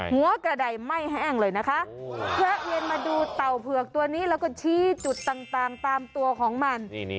หัวกระดายไม่แห้งเลยนะคะแวะเวียนมาดูเต่าเผือกตัวนี้แล้วก็ชี้จุดต่างตามตัวของมัน